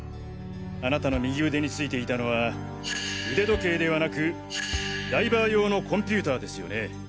あなたの右腕についていたのは腕時計ではなくダイバー用のコンピューターですよね。